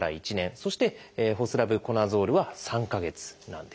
そしてホスラブコナゾールは３か月なんです。